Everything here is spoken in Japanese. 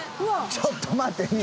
ちょっと待ってよ。